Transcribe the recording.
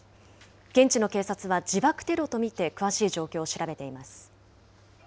現地の警察は自爆テロと見て、詳しい状況を調べています。